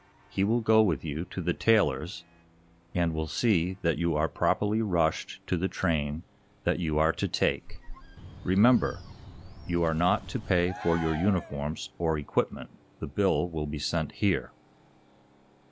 He will go with you to the tailor's, and will see that you are properly rushed to the train that you are to take. Remember, you are not to pay for your uniforms or equipment. The bill will be sent here."